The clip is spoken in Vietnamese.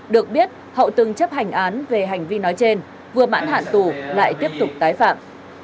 được biết hậu từng chấp hành án về hành vi nói trên vừa mãn hạn tù lại tiếp tục tái phạm